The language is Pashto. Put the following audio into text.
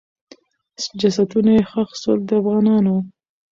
جسدونه چې ښخ سول، د افغانانو وو.